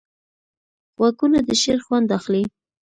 غوږونه د شعر خوند اخلي